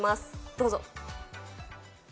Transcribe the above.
どうぞ。